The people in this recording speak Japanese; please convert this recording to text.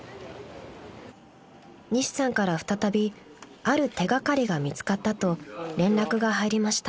［西さんから再びある手掛かりが見つかったと連絡が入りました］